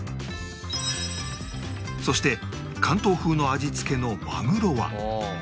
そして関東風の味付けの鮪は